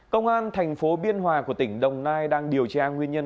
công an thành phố biên hòa của tỉnh đồng nai đang điều tra nguyên nhân